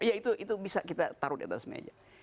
ya itu bisa kita taruh di atas meja